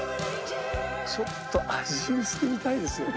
ちょっと味見してみたいですよね。